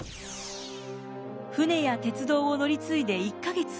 船や鉄道を乗り継いで１か月。